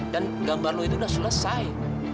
dan gambar lu itu udah selesai